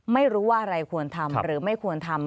ไม่รู้ว่าอะไรควรทำหรือไม่ควรทำ